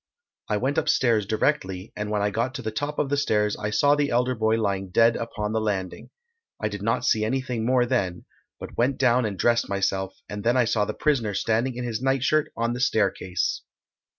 I went upstairs directly, and when I got to the top of the stairs I saw the elder boy lying dead upon the landing, I did not see anything more then, but went down and dressed myself, and I then saw the prisoner standing in his nightshirt on the staircase.